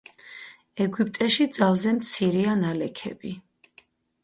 ეგვიპტეში ძალზე მცირეა ნალექები.